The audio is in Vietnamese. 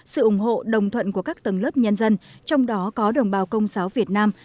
sự ủng hộ đồng thuận của các tầng lớp nhân dân trong đó có đồng bào công giáo việt nam